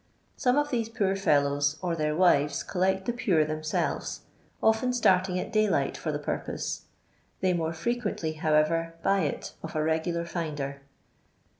Some of these poor fellows or their wives collect the pure themselves, often starting at daylight for the purpose ; they more frequently, however, buy it of a regular finder.